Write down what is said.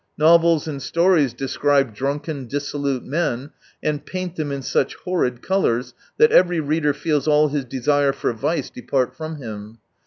Novels and stories describe drunken, dissolute men, and paint them in such horrid colours that every reader feels all his desire for vice depart from him.